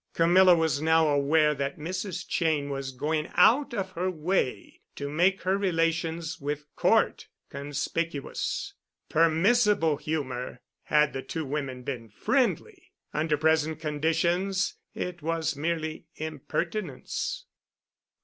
Camilla was now aware that Mrs. Cheyne was going out of her way to make her relations with Cort conspicuous—permissible humor, had the two women been friendly. Under present conditions it was merely impertinence.